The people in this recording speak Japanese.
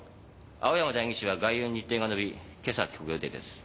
青山代議士は外遊の日程が延び今朝帰国予定です。